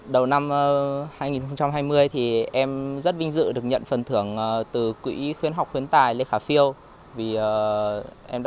từ nguồn quỹ này hội khuyến học khuyến tài lê khả phiêu được công bố